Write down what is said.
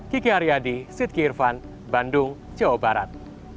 kiki aryadi sidki irfan bandung jawa barat